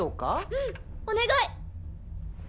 うんお願い！